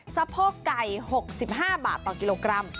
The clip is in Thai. สะโพกไก่๖๕บาทต่อกิโลกรัม